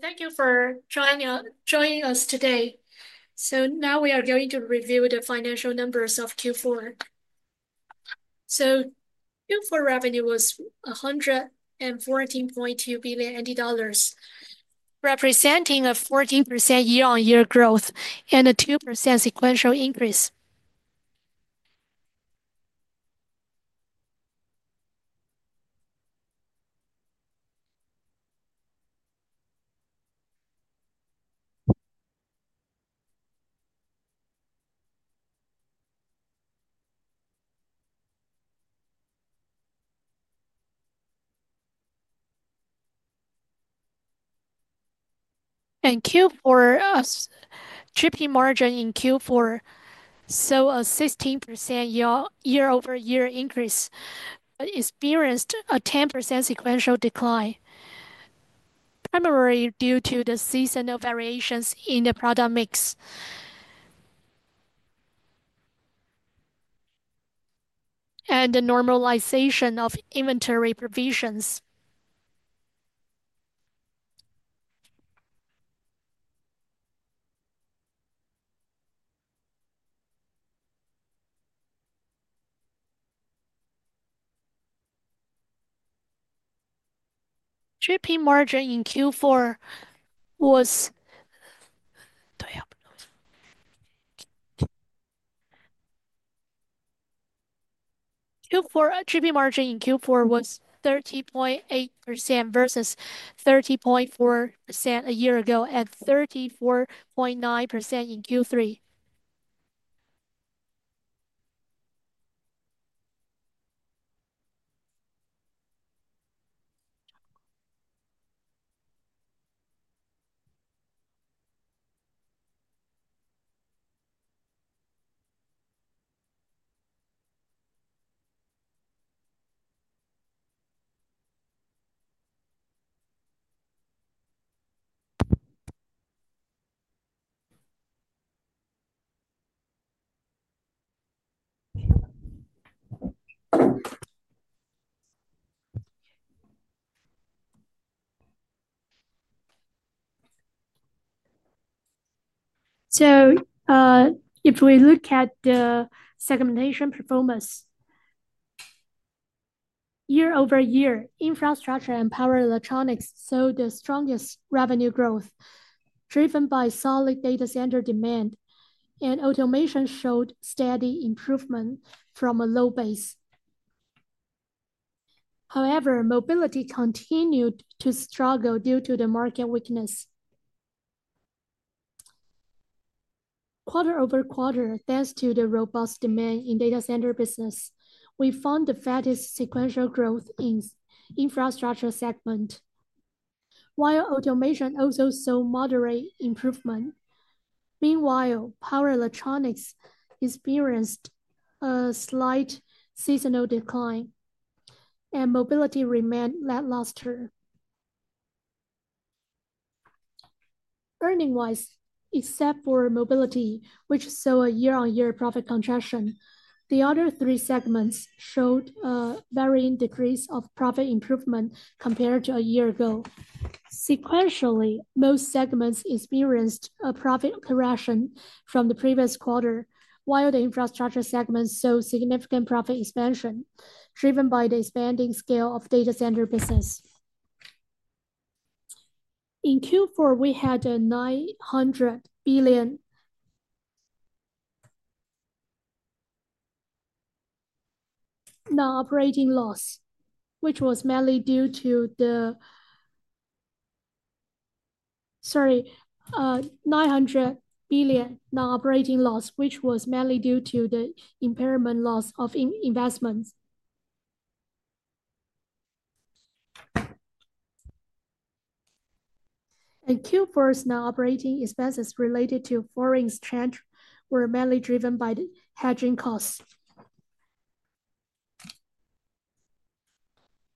Thank you for joining us today. Now we are going to review the financial numbers of Q4. Q4 revenue was 114.2 billion dollars, representing a 14% year-on-year growth and a 2% sequential increase. Q4 GP margin saw a 16% year-over-year increase, but experienced a 10% sequential decline, primarily due to the seasonal variations in the product mix and the normalization of inventory provisions. GP margin in Q4 was 30.8% versus 30.4% a year ago and 34.9% in Q3. If we look at the segmentation performance, year-over-year, infrastructure and power electronics saw the strongest revenue growth, driven by solid data center demand, and automation showed steady improvement from a low base. However, mobility continued to struggle due to the market weakness. Quarter-over-quarter, thanks to the robust demand in data center business, we found the fastest sequential growth in the infrastructure segment, while automation also saw moderate improvement. Meanwhile, power electronics experienced a slight seasonal decline, and mobility remained lackluster. Earnings-wise, except for mobility, which saw a year-on-year profit contraction, the other three segments showed a varying degree of profit improvement compared to a year ago. Sequentially, most segments experienced a profit correction from the previous quarter, while the infrastructure segment saw significant profit expansion, driven by the expanding scale of data center business. In Q4, we had a TWD 900 million non-operating loss, which was mainly due to the impairment loss of investments. Q4's non-operating expenses related to foreign exchange were mainly driven by the hedging costs.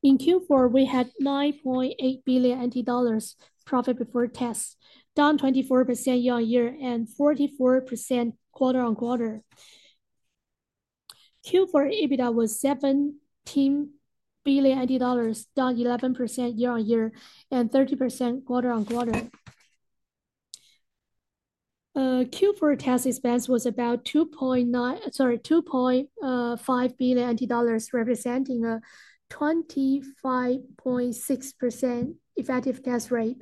In Q4, we had 9.8 billion NT dollars profit before tax, down 24% year-on-year and 44% quarter-on-quarter. Q4 EBITDA was 17 billion dollars, down 11% year-on-year and 30% quarter-on-quarter. Q4 tax expense was about 2.9, sorry, 2.5 billion dollars, representing a 25.6% effective tax rate.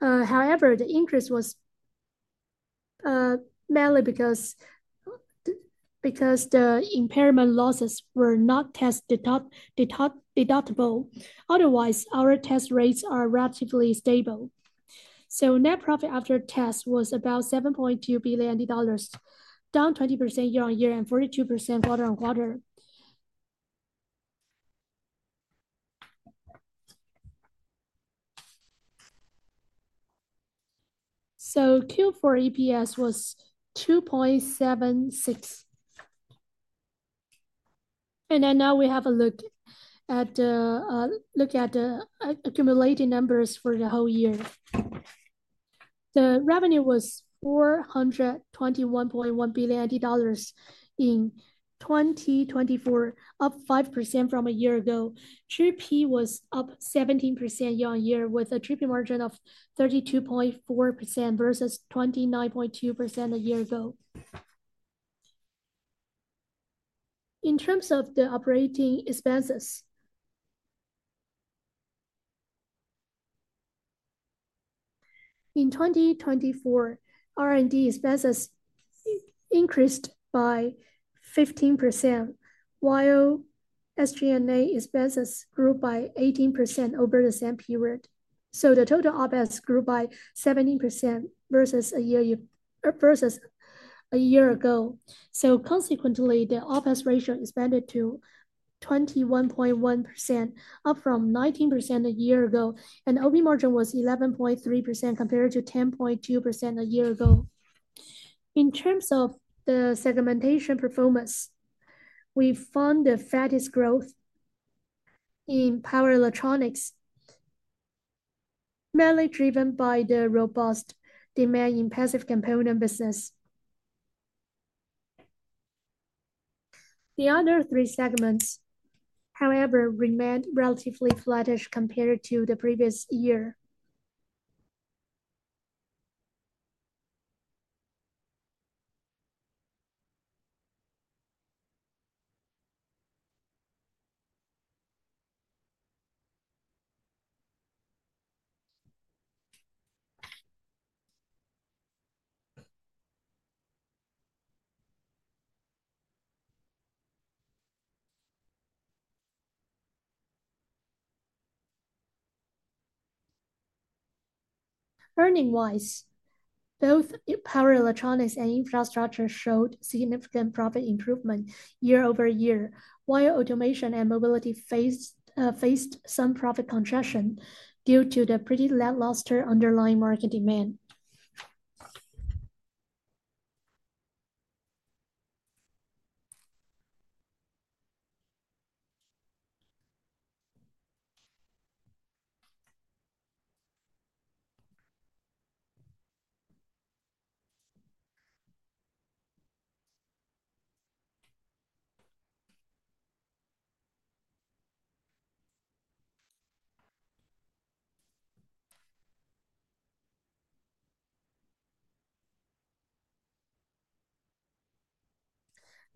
However, the increase was mainly because the impairment losses were not tax deductible. Otherwise, our tax rates are relatively stable. So net profit after tax was about 7.2 billion dollars, down 20% year-on-year and 42% quarter-on-quarter. So Q4 EPS was 2.76. And then now we have a look at the accumulated numbers for the whole year. The revenue was 421.1 billion dollars in 2024, up 5% from a year ago. GP was up 17% year-on-year with a GP margin of 32.4% versus 29.2% a year ago. In terms of the operating expenses, in 2024, R&D expenses increased by 15%, while SG&A expenses grew by 18% over the same period, so the total OpEx grew by 17% versus a year ago, so consequently, the OpEx ratio expanded to 21.1%, up from 19% a year ago, and OP margin was 11.3% compared to 10.2% a year ago. In terms of the segmentation performance, we found the fastest growth in power electronics, mainly driven by the robust demand in passive component business. The other three segments, however, remained relatively flattish compared to the previous year. Earnings-wise, both power electronics and infrastructure showed significant profit improvement year-over-year, while automation and mobility faced some profit contraction due to the pretty lackluster underlying market demand.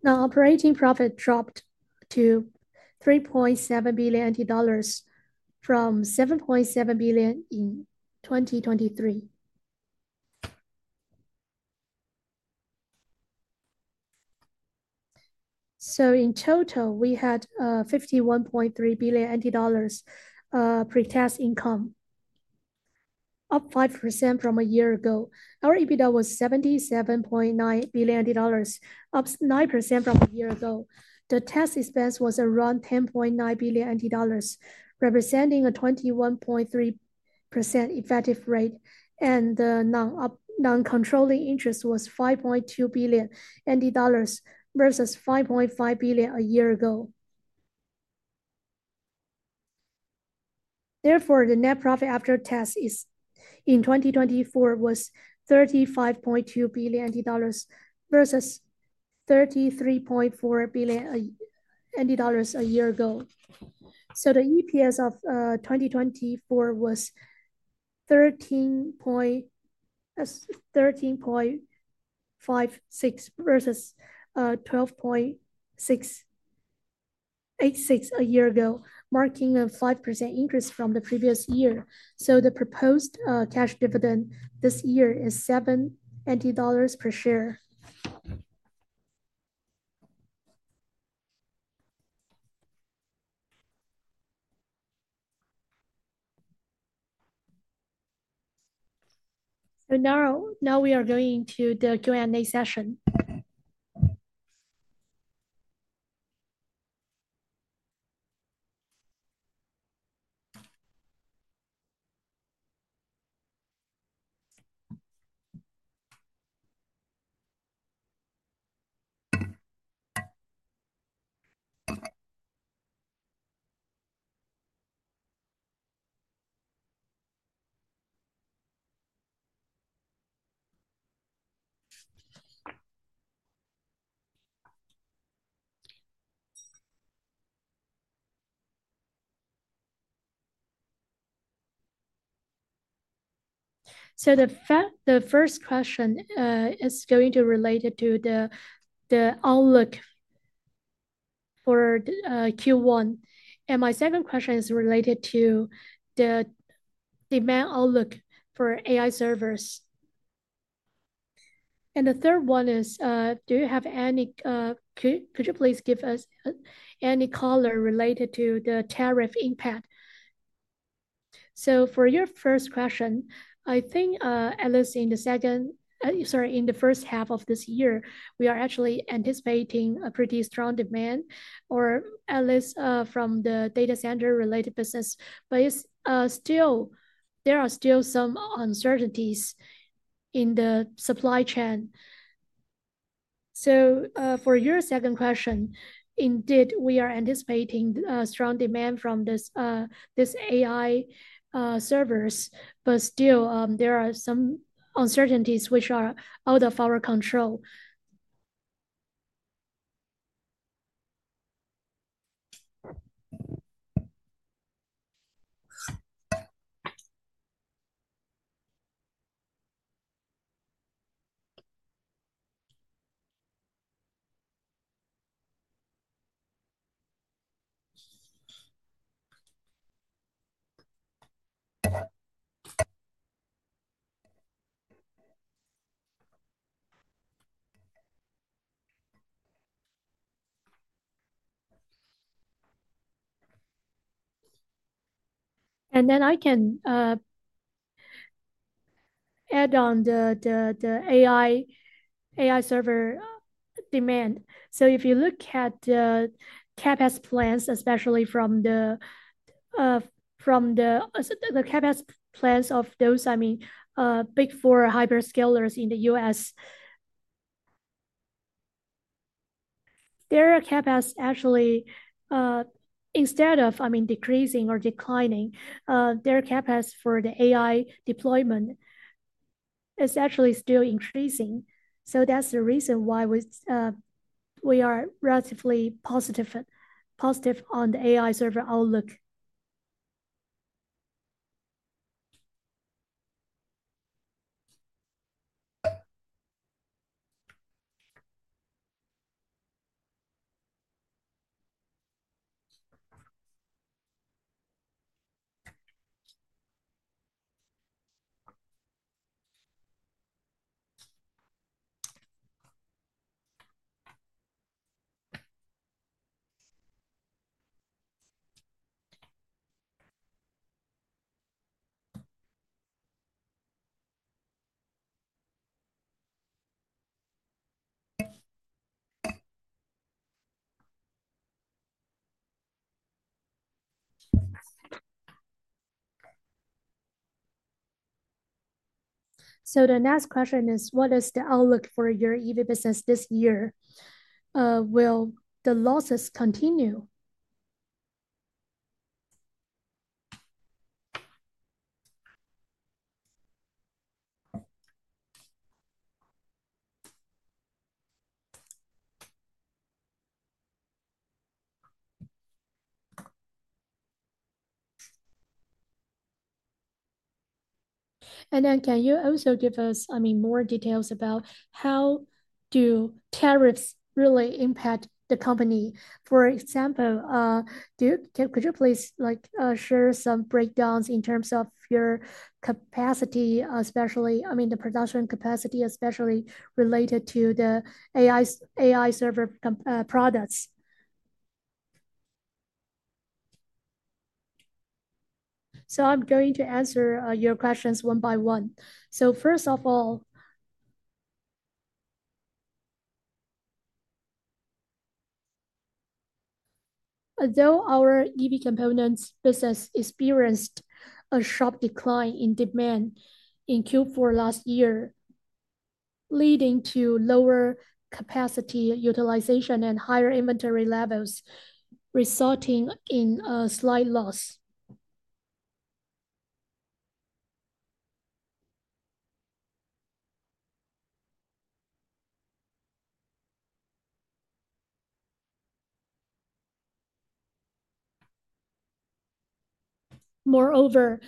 Non-operating profit dropped to 3.7 billion NT dollars from 7.7 billion in 2023. In total, we had 51.3 billion dollars pre-tax income, up 5% from a year ago. Our EBITDA was 77.9 billion dollars, up 9% from a year ago. The tax expense was around 10.9 billion dollars, representing a 21.3% effective rate, and the non-controlling interest was 5.2 billion versus 5.5 billion dollars a year ago. Therefore, the net profit after tax in 2024 was 35.2 billion dollars versus 33.4 billion dollars a year ago. The EPS of 2024 was 13.6 versus 12.686 a year ago, marking a 5% increase from the previous year. The proposed cash dividend this year is 7 dollars per share. Now we are going to the Q&A session. The first question is going to relate to the outlook for Q1, and my second question is related to the demand outlook for AI servers. And the third one is, could you please give us any color related to the tariff impact? So for your first question, I think, at least in the second, sorry, in the first half of this year, we are actually anticipating a pretty strong demand, or at least from the data center-related business, but it's still, there are still some uncertainties in the supply chain. So for your second question, indeed, we are anticipating strong demand from this AI servers, but still, there are some uncertainties which are out of our control. And then I can add on the AI server demand. If you look at the CapEx plans, especially from the CapEx plans of those, I mean, big four hyperscalers in the U.S., their CapEx actually, instead of, I mean, decreasing or declining, their CapEx for the AI deployment is actually still increasing. That's the reason why we are relatively positive on the AI server outlook. The next question is, what is the outlook for your EV business this year? Will the losses continue? And then can you also give us, I mean, more details about how do tariffs really impact the company? For example, could you please, like, share some breakdowns in terms of your capacity, especially, I mean, the production capacity, especially related to the AI server products? I'm going to answer your questions one by one. First of all, although our EV components business experienced a sharp decline in demand in Q4 last year, leading to lower capacity utilization and higher inventory levels, resulting in a slight loss. Moreover,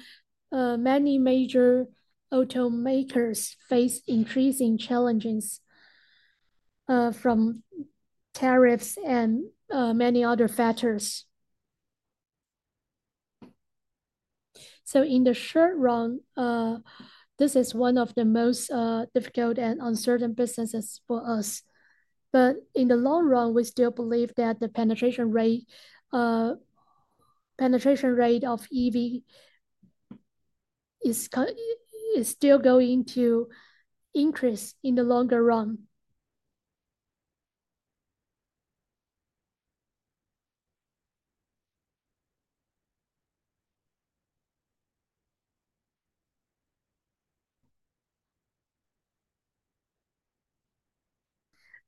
many major automakers face increasing challenges from tariffs and many other factors. In the short run, this is one of the most difficult and uncertain businesses for us. But in the long run, we still believe that the penetration rate of EV is still going to increase in the longer run.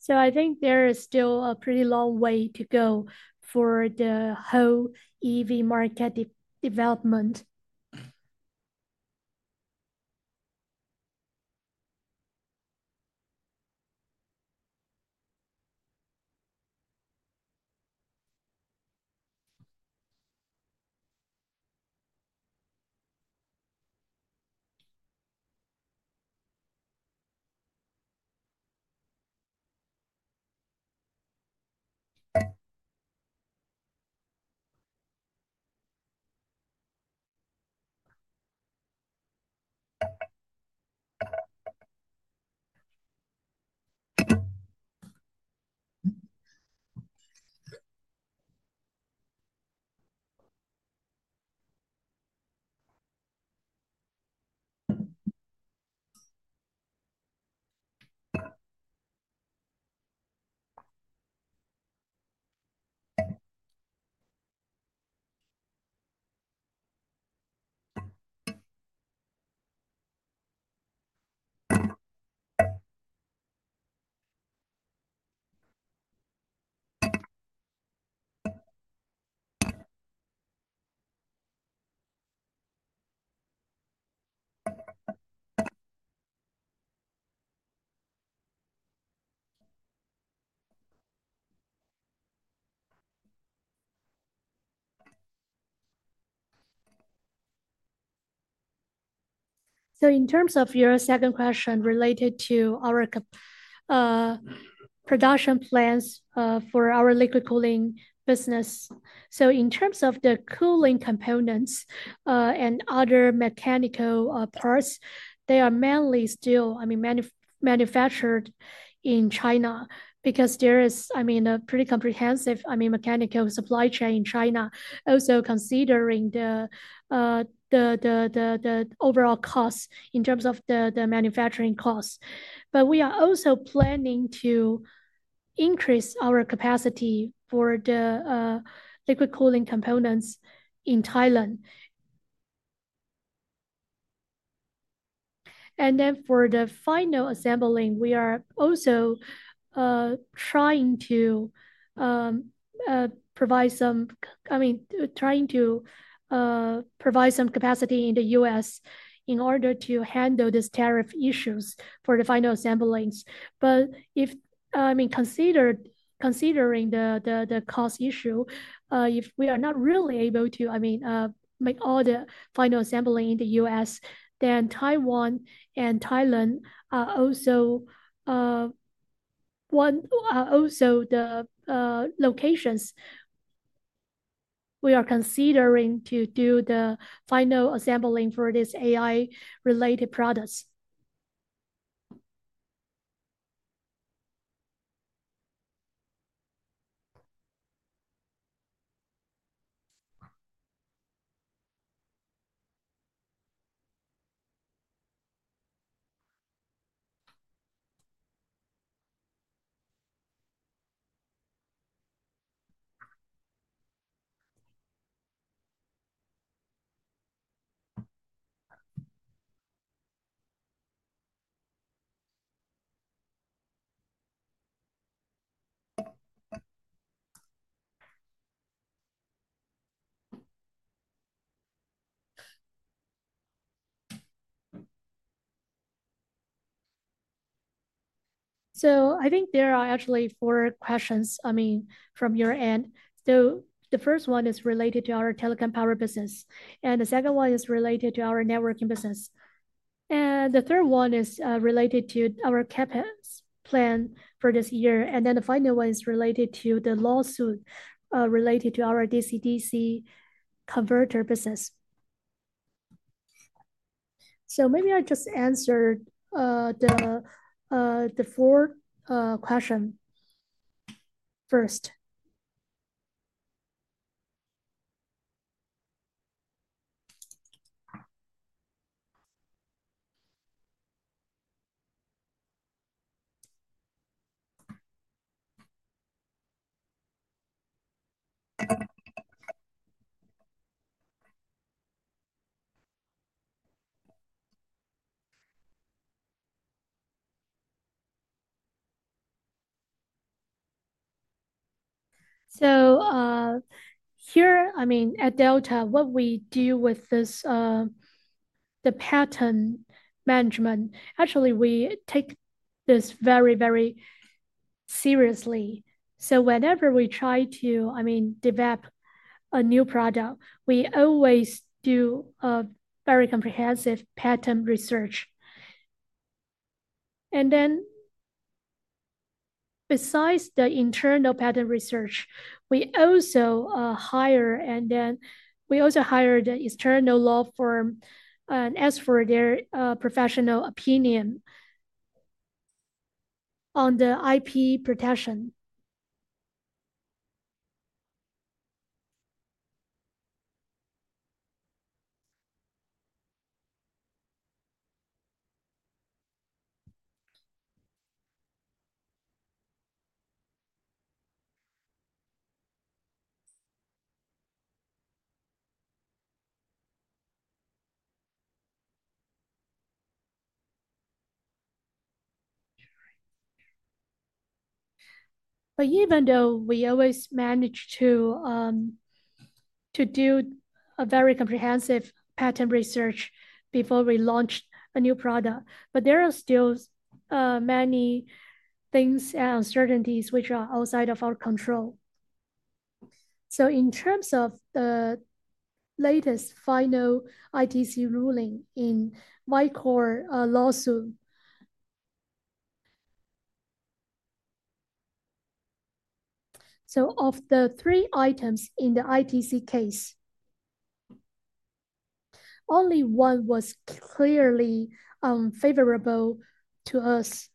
I think there is still a pretty long way to go for the whole EV market development. In terms of your second question related to our production plans for our liquid cooling business, in terms of the cooling components and other mechanical parts, they are mainly still I mean manufactured in China because there is I mean a pretty comprehensive I mean mechanical supply chain in China, also considering the overall cost in terms of the manufacturing cost. But we are also planning to increase our capacity for the liquid cooling components in Thailand. And then for the final assembling, we are also trying to provide some capacity in the U.S. in order to handle these tariff issues for the final assemblies. But if, I mean, considering the cost issue, if we are not really able to, I mean, make all the final assembling in the U.S., then Taiwan and Thailand are also locations we are considering to do the final assembling for these AI-related products. So I think there are actually four questions, I mean, from your end. So the first one is related to our telecom power business, and the second one is related to our networking business. And the third one is related to our CapEx plan for this year. And then the final one is related to the lawsuit, related to our DC-DC converter business. So maybe I just answered the four questions first. So here, I mean, at Delta, what we do with this, the patent management, actually, we take this very, very seriously. Whenever we try to, I mean, develop a new product, we always do a very comprehensive patent research. And then besides the internal patent research, we also hired an external law firm and asked for their professional opinion on the IP protection. But even though we always manage to do a very comprehensive patent research before we launch a new product, there are still many things and uncertainties which are outside of our control. In terms of the latest final ITC ruling in Vicor lawsuit, of the three items in the ITC case, only one was clearly unfavorable to us.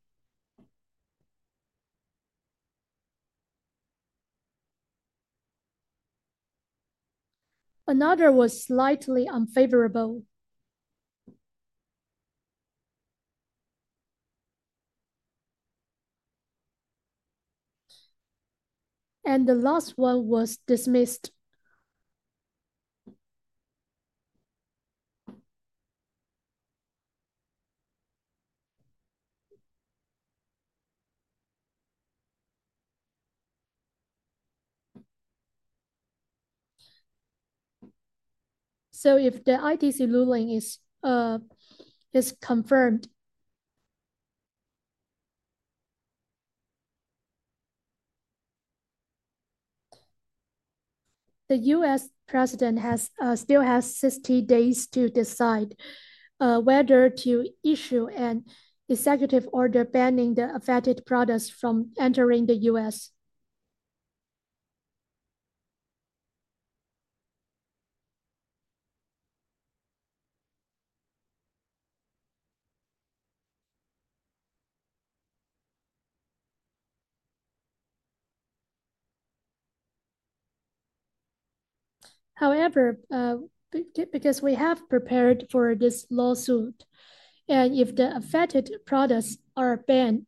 Another was slightly unfavorable. The last one was dismissed. So if the ITC ruling is confirmed, the U.S. president still has 60 days to decide whether to issue an executive order banning the affected products from entering the U.S. However, because we have prepared for this lawsuit, and if the affected products are banned,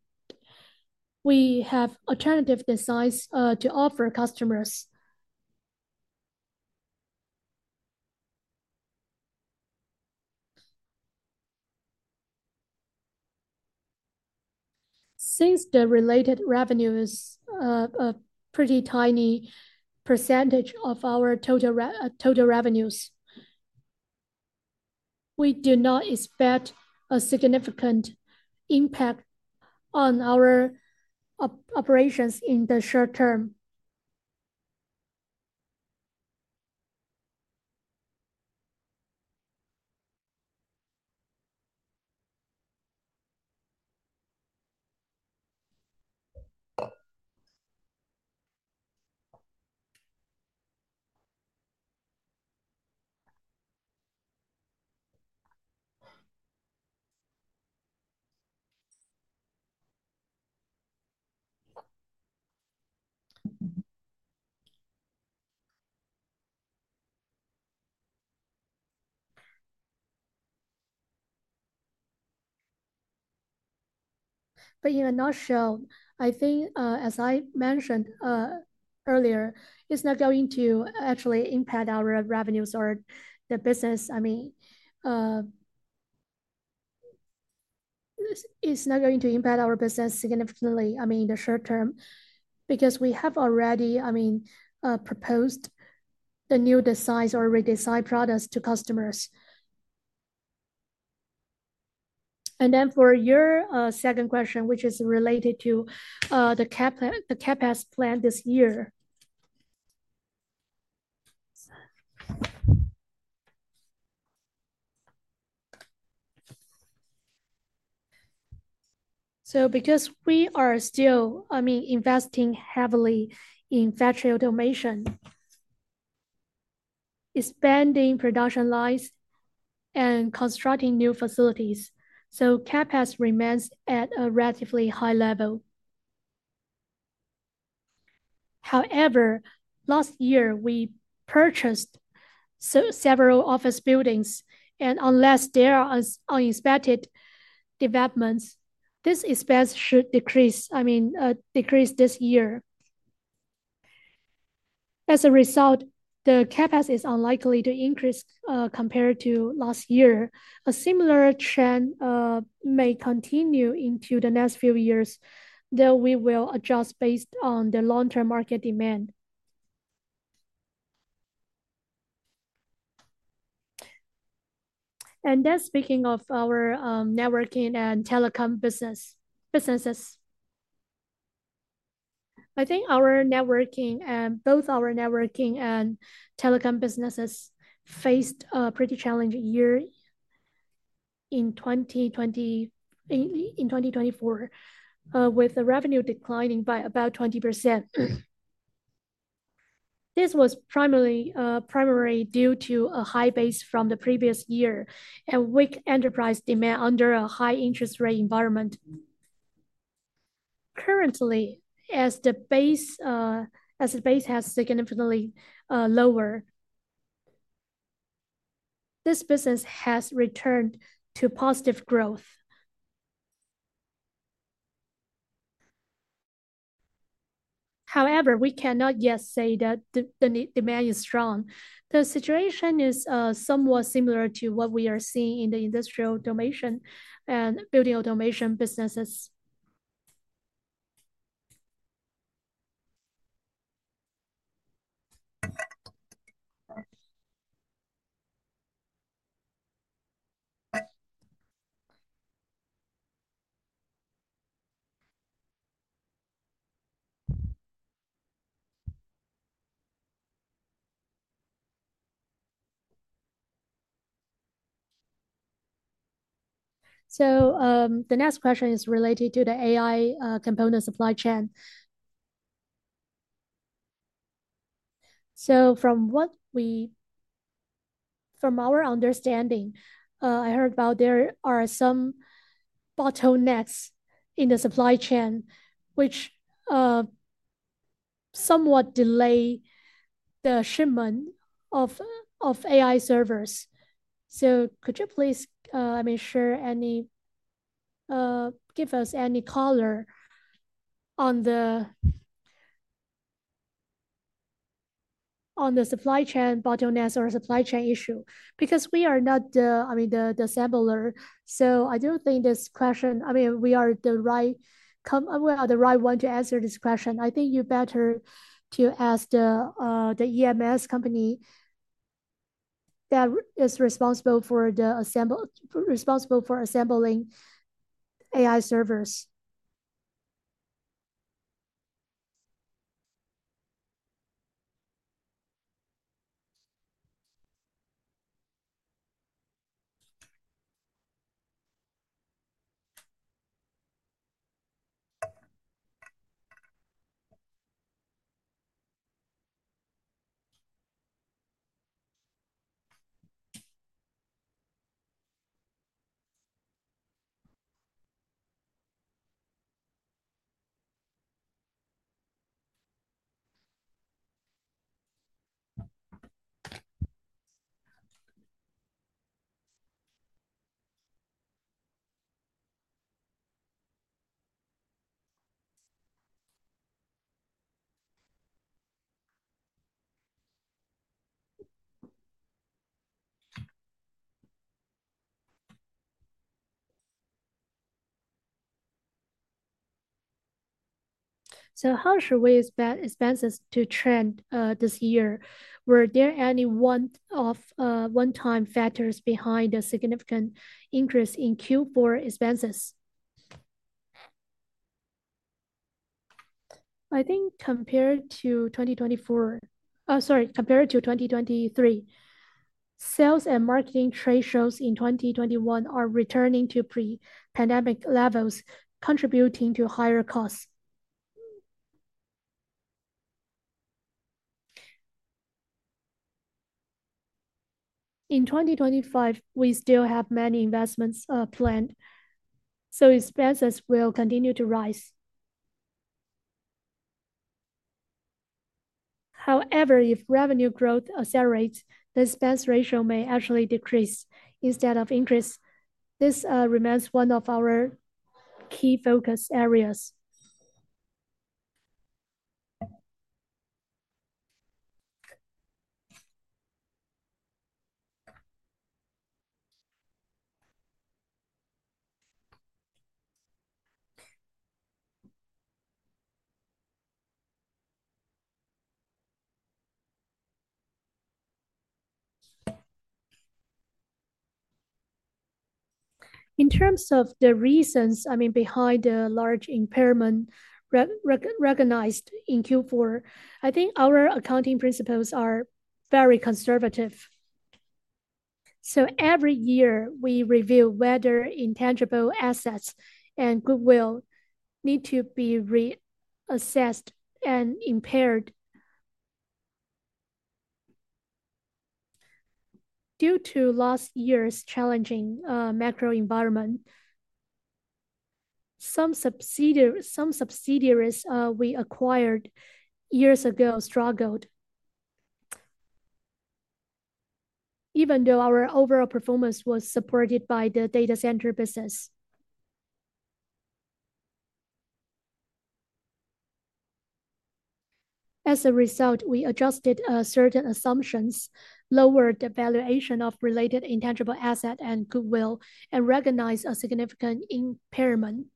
we have alternative designs to offer customers. Since the related revenues are a pretty tiny percentage of our total revenues, we do not expect a significant impact on our operations in the short term. But in a nutshell, I think, as I mentioned earlier, it's not going to actually impact our revenues or the business. I mean, it's not going to impact our business significantly, I mean, in the short term, because we have already, I mean, proposed the new designs or redesign products to customers. For your second question, which is related to the CapEx plan this year. Because we are still, I mean, investing heavily in factory automation, expanding production lines, and constructing new facilities, CapEx remains at a relatively high level. However, last year we purchased several office buildings, and unless there are unexpected developments, this expense should decrease, I mean, this year. As a result, the CapEx is unlikely to increase compared to last year. A similar trend may continue into the next few years. We will adjust based on the long-term market demand. Speaking of our networking and telecom businesses, I think they faced a pretty challenging year in 2024, with the revenue declining by about 20%. This was primarily due to a high base from the previous year and weak enterprise demand under a high interest rate environment. Currently, as the base has significantly lower, this business has returned to positive growth. However, we cannot yet say that the demand is strong. The situation is somewhat similar to what we are seeing in the industrial automation and building automation businesses. The next question is related to the AI component supply chain. From our understanding, I heard about there are some bottlenecks in the supply chain, which somewhat delay the shipment of AI servers. Could you please, I mean, share any, give us any color on the supply chain bottlenecks or supply chain issue? Because we are not the, I mean, the assembler. So, I don't think this question—I mean, we are the right one to answer this question. I think you better to ask the EMS company that is responsible for assembling AI servers. So how should we expect expenses to trend this year? Were there any one-time factors behind the significant increase in Q4 expenses? I think compared to 2024, sorry, compared to 2023, sales and marketing trade shows in 2021 are returning to pre-pandemic levels, contributing to higher costs. In 2025, we still have many investments planned, so expenses will continue to rise. However, if revenue growth accelerates, the expense ratio may actually decrease instead of increase. This remains one of our key focus areas. In terms of the reasons, I mean, behind the large impairment recognized in Q4, I think our accounting principles are very conservative. Every year, we review whether intangible assets and goodwill need to be reassessed and impaired. Due to last year's challenging macro environment, some subsidiaries we acquired years ago struggled, even though our overall performance was supported by the data center business. As a result, we adjusted certain assumptions, lowered the valuation of related intangible assets and goodwill, and recognized a significant impairment.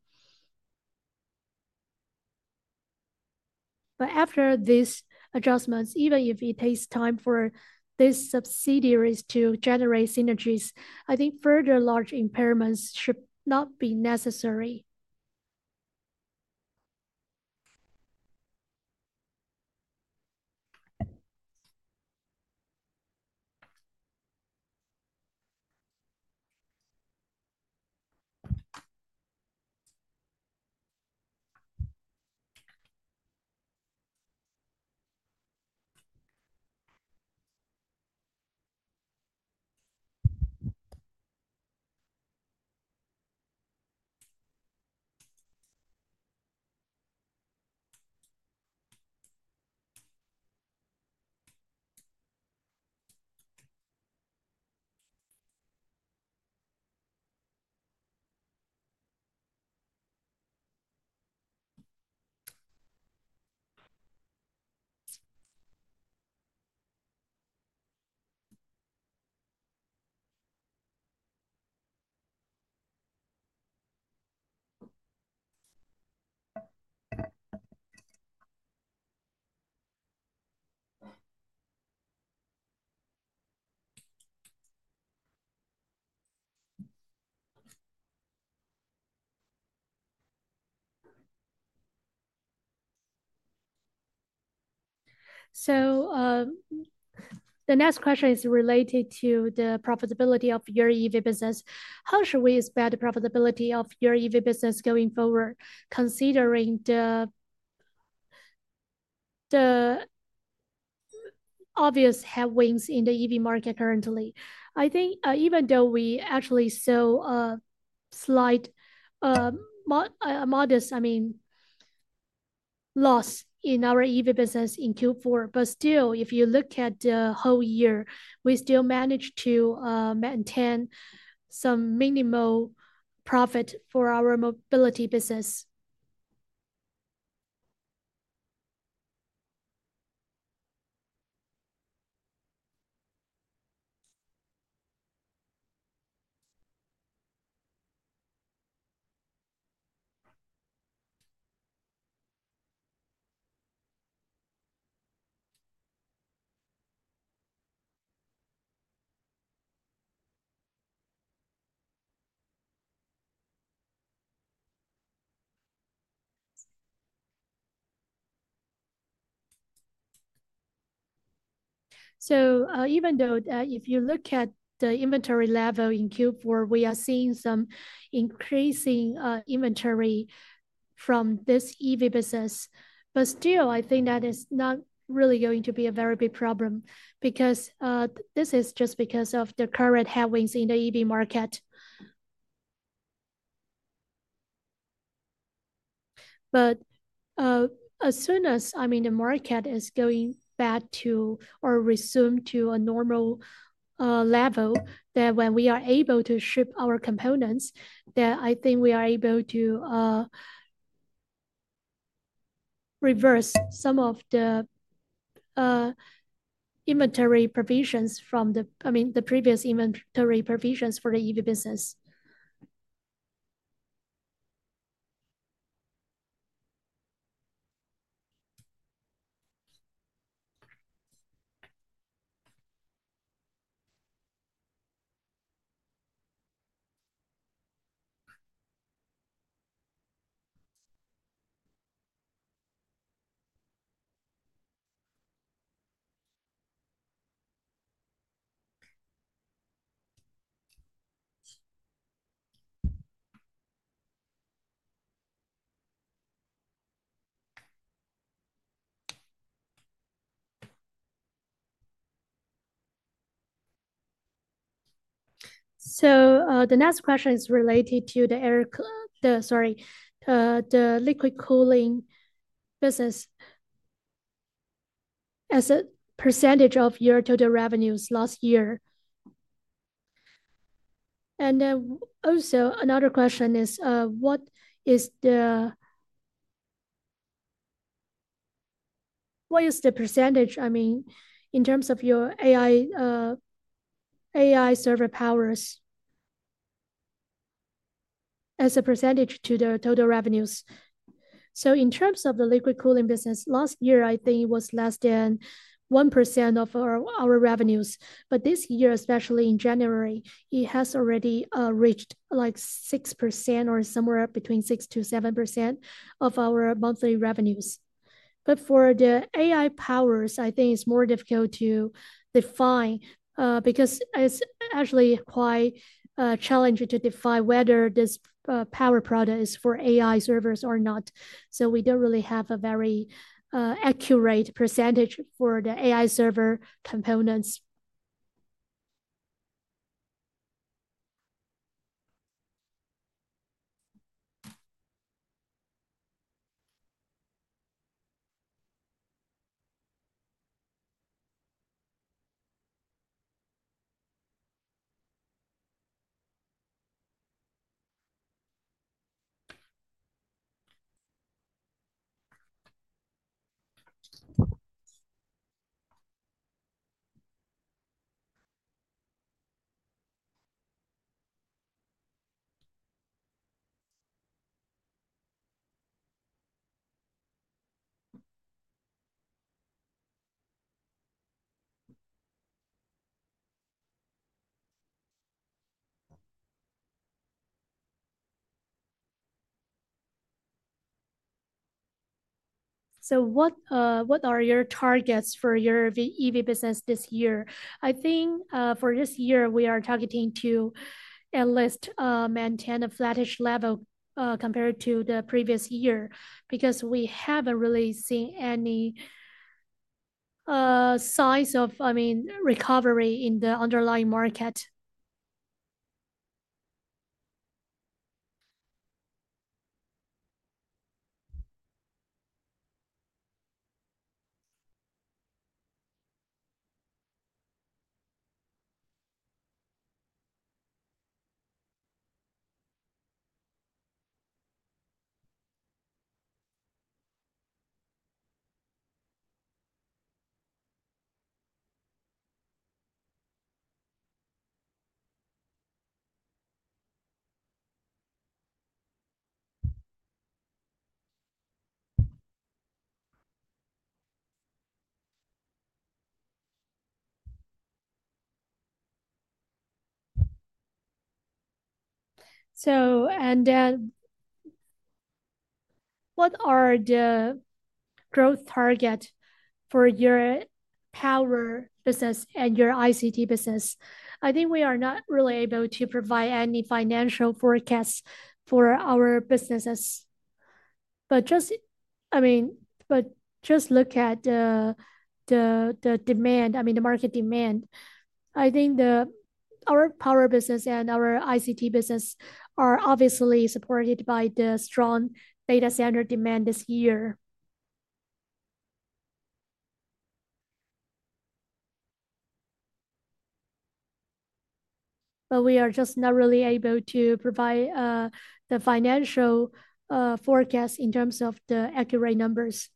After these adjustments, even if it takes time for these subsidiaries to generate synergies, I think further large impairments should not be necessary. The next question is related to the profitability of your EV business. How should we expect the profitability of your EV business going forward, considering the obvious headwinds in the EV market currently? I think, even though we actually saw a slight, modest, I mean, loss in our EV business in Q4, but still, if you look at the whole year, we still managed to maintain some minimal profit for our mobility business. Even though, if you look at the inventory level in Q4, we are seeing some increasing inventory from this EV business, but still, I think that is not really going to be a very big problem because this is just because of the current headwinds in the EV market. But, as soon as, I mean, the market is going back to or resume to a normal level, then when we are able to ship our components, then I think we are able to reverse some of the inventory provisions from the, I mean, the previous inventory provisions for the EV business. The next question is related to the air - sorry, liquid cooling business as a percentage of year-to-date revenues last year. Then also another question is, what is the percentage, I mean, in terms of your AI server powers as a percentage to the total revenues. In terms of the liquid cooling business, last year, I think it was less than 1% of our revenues. This year, especially in January, it has already reached like 6% or somewhere between 6%-7% of our monthly revenues. For the AI powers, I think it is more difficult to define, because it is actually quite challenging to define whether this power product is for AI servers or not. We do not really have a very accurate percentage for the AI server components. So what are your targets for your EV business this year? I think for this year we are targeting to at least maintain a flattish level compared to the previous year because we haven't really seen any signs of, I mean, recovery in the underlying market. So what are the growth targets for your power business and your ICT business? I think we are not really able to provide any financial forecasts for our businesses. But just, I mean, look at the demand, I mean, the market demand. I think our power business and our ICT business are obviously supported by the strong data center demand this year. But we are just not really able to provide the financial forecast in terms of the accurate numbers.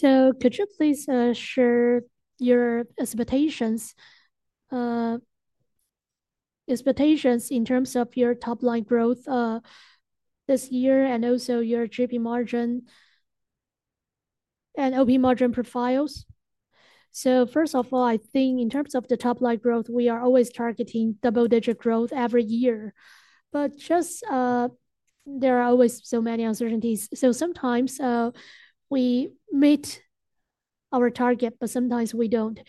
Could you please share your expectations in terms of your top-line growth this year, and also your GP margin and OP margin profiles? So first of all, I think in terms of the top-line growth, we are always targeting double-digit growth every year. But just, there are always so many uncertainties. So sometimes, we meet our target, but sometimes we don't.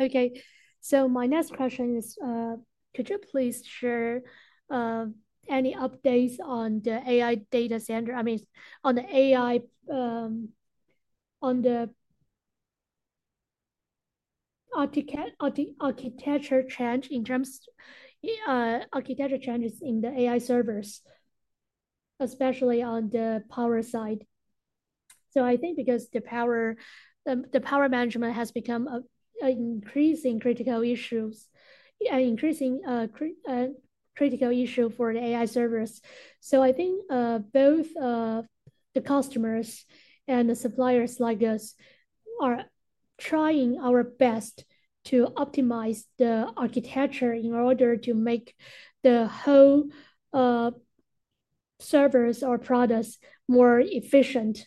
Okay. So my next question is, could you please share any updates on the AI data center? I mean, on the AI architecture changes in the AI servers, especially on the power side? So I think because the power management has become an increasingly critical issue for the AI servers. I think both the customers and the suppliers like us are trying our best to optimize the architecture in order to make the whole servers or products more efficient.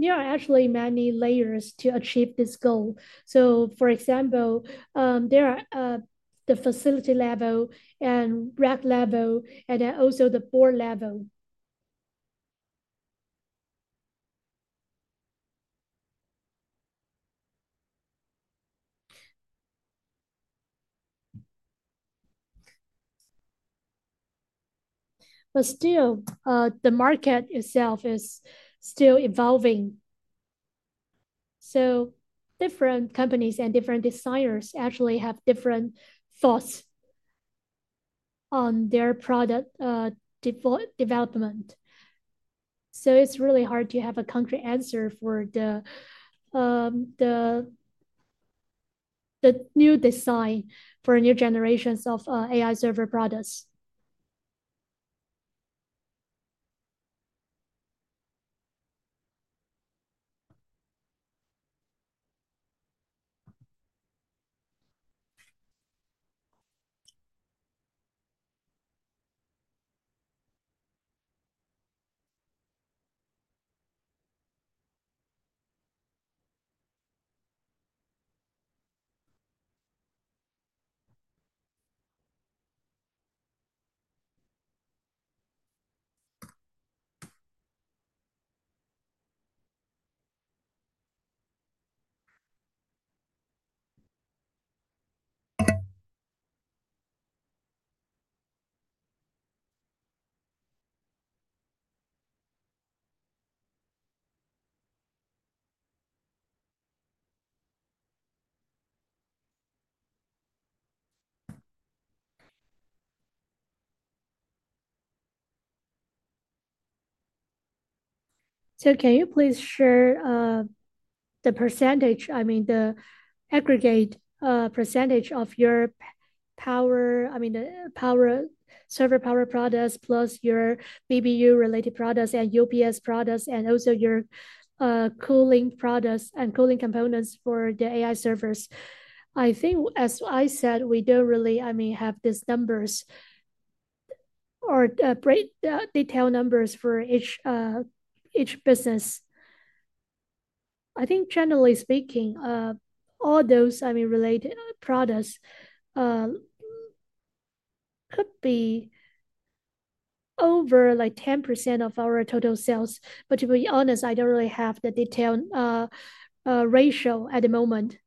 There are actually many layers to achieve this goal. For example, there are the facility level and rack level, and then also the board level. But still, the market itself is still evolving. Different companies and different designers actually have different thoughts on their product development. It's really hard to have a concrete answer for the new design for new generations of AI server products. Can you please share the percentage, I mean, the aggregate percentage of your power, I mean, the power server power products plus your BBU-related products and UPS products, and also your cooling products and cooling components for the AI servers? I think, as I said, we don't really, I mean, have these numbers or detailed numbers for each business. I think, generally speaking, all those, I mean, related products, could be over like 10% of our total sales. But to be honest, I don't really have the detailed ratio at the moment.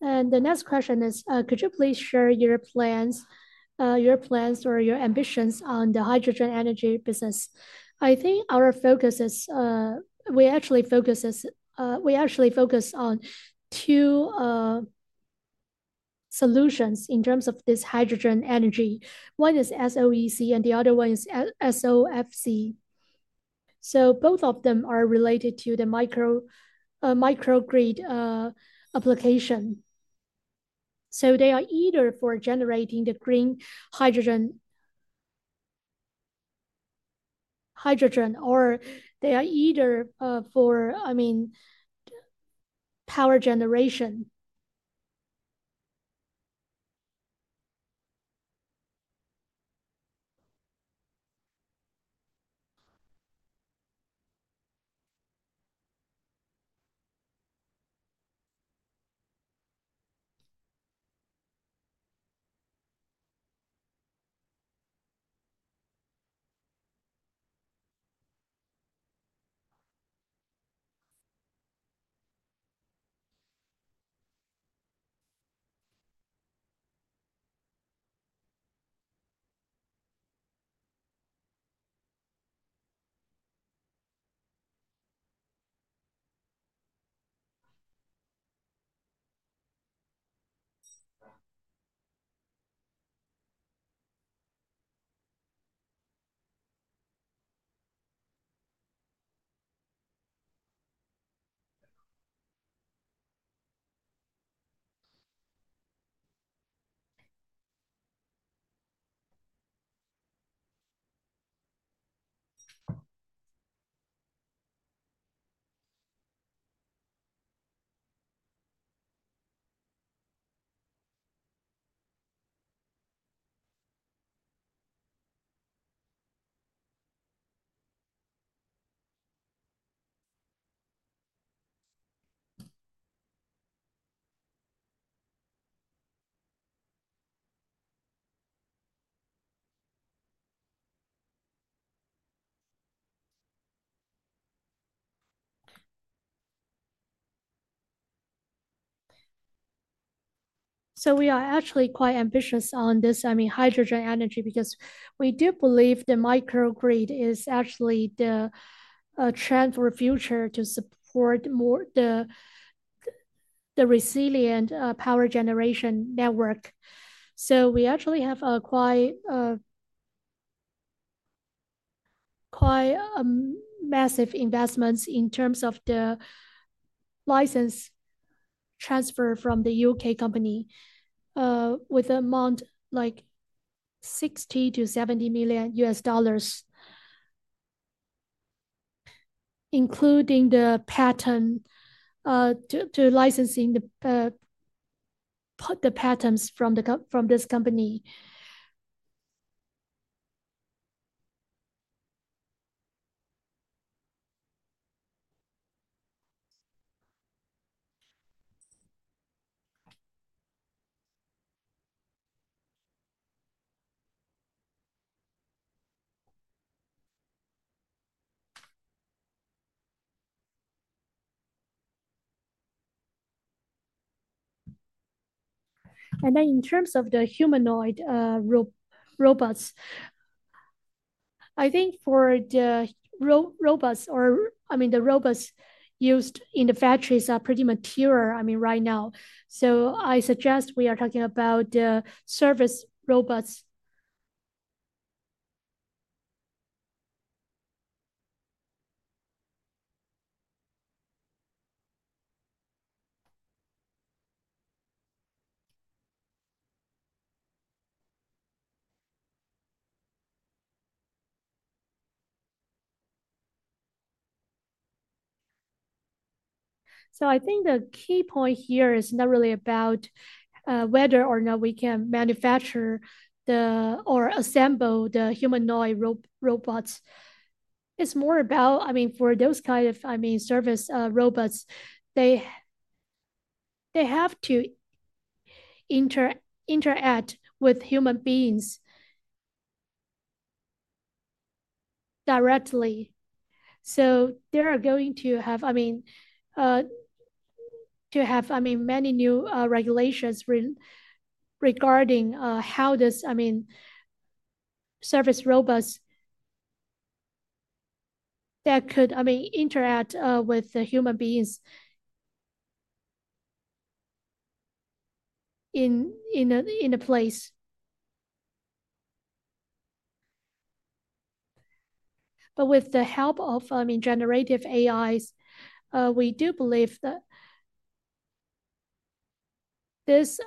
The next question is, could you please share your plans or your ambitions on the hydrogen energy business? I think our focus is. We actually focus on two solutions in terms of this hydrogen energy. One is SOEC, and the other one is SOFC. So both of them are related to the microgrid application. So they are either for generating the green hydrogen or they are either for, I mean, power generation. So we are actually quite ambitious on this, I mean, hydrogen energy because we do believe the microgrid is actually the trend for future to support more the resilient power generation network. So we actually have quite a massive investment in terms of the license transfer from the U.K. company, with an amount like $60 million - $70 million, including the patent to licensing the patents from this company. And then in terms of the humanoid robots, I think for the robots or, I mean, the robots used in the factories are pretty mature, I mean, right now. So I suggest we are talking about the service robots. So I think the key point here is not really about whether or not we can manufacture or assemble the humanoid robots. It's more about, I mean, for those kind of, I mean, service robots, they have to interact with human beings directly. So they are going to have, I mean, to have, I mean, many new regulations regarding how service robots that could, I mean, interact with the human beings in a place. But with the help of, I mean, generative AIs, we do believe that this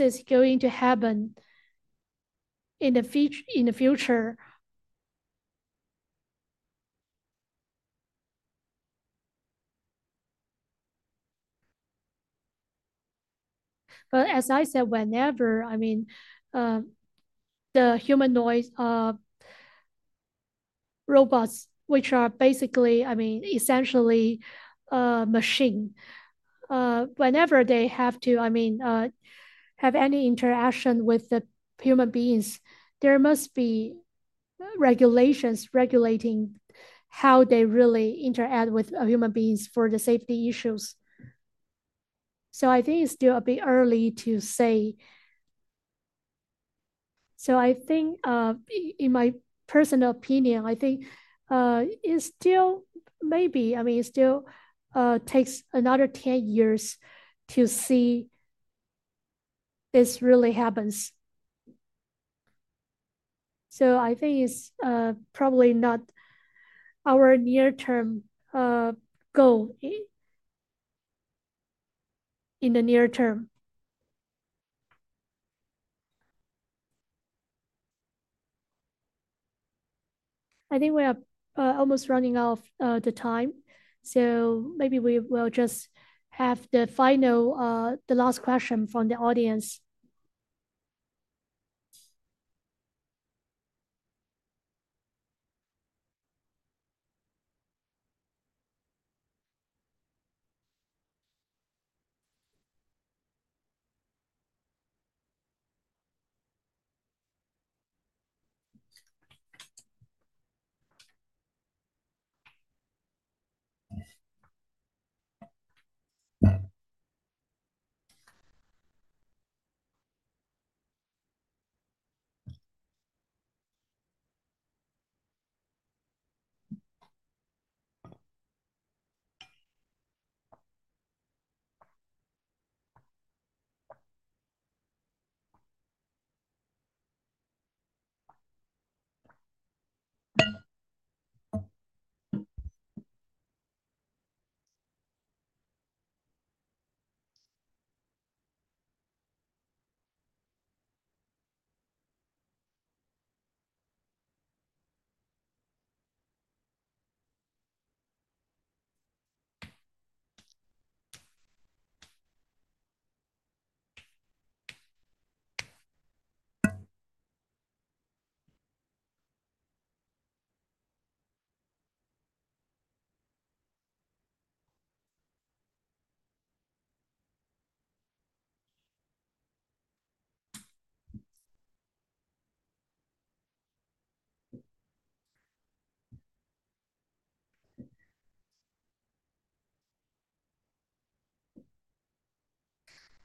is going to happen in the future. But as I said, whenever, I mean, the humanoid robots, which are basically, I mean, essentially machine, whenever they have to, I mean, have any interaction with the human beings, there must be regulations regulating how they really interact with human beings for the safety issues. So I think it's still a bit early to say. So I think, in my personal opinion, I think it's still maybe, I mean, it still takes another 10 years to see this really happens. So I think it's probably not our near-term goal in the near term. I think we are almost running out of the time. So maybe we will just have the final, the last question from the audience.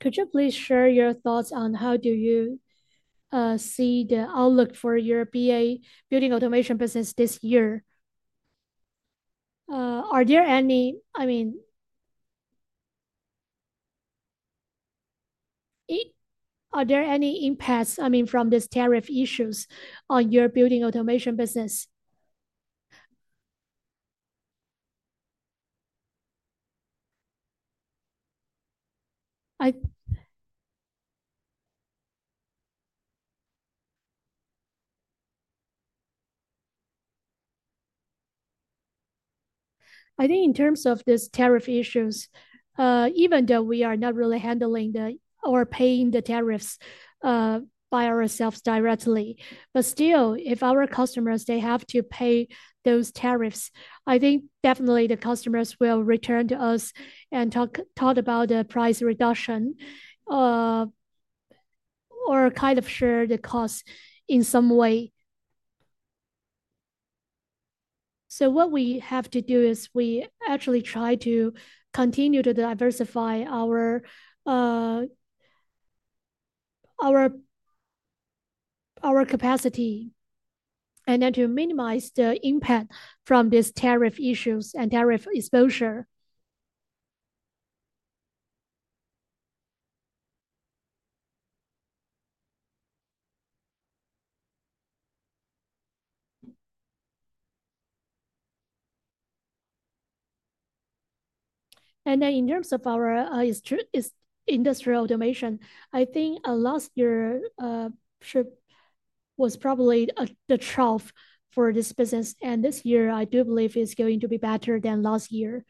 Could you please share your thoughts on how you see the outlook for your BA building automation business this year? Are there any, I mean, are there any impacts, I mean, from these tariff issues on your building automation business? I think in terms of these tariff issues, even though we are not really handling or paying the tariffs by ourselves directly, but still, if our customers they have to pay those tariffs, I think definitely the customers will return to us and talk about the price reduction, or kind of share the cost in some way. So what we have to do is we actually try to continue to diversify our capacity and then to minimize the impact from these tariff issues and tariff exposure. And then in terms of our industrial automation, I think last year was probably the trough for this business. And this year, I do believe it's going to be better than last year.